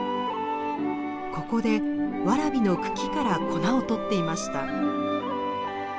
ここでワラビの茎から粉をとっていました。